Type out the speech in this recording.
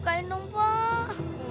bukain dong pak